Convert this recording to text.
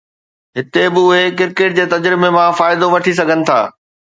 هتي به اهي ڪرڪيٽ جي تجربي مان فائدو وٺي سگهن ٿا.